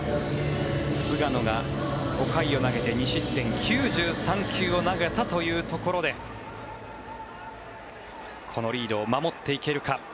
菅野が５回を投げて２失点９３球を投げたというところでこのリードを守っていけるか。